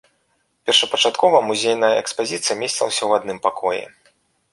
Першапачаткова музейная экспазіцыя месцілася ў адным пакоі.